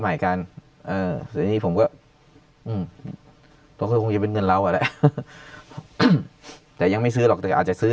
ใหม่กันผมก็จะเป็นเงินเราแต่ยังไม่ซื้อหรอกแต่อาจจะซื้อ